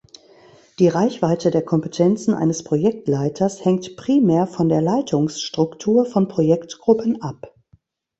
Die Reichweite der Kompetenzen eines Projektleiters hängt primär von der Leitungsstruktur von Projektgruppen ab.